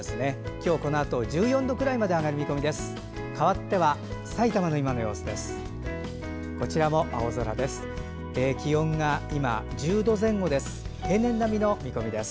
今日このあと１４度くらいまで上がる見込みです。